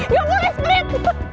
yang boleh klik